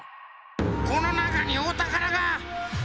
このなかにおたからが！